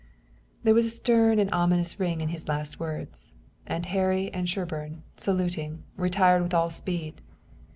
There was a stern and ominous ring in his last words, and Harry and Sherburne, saluting, retired with all speed.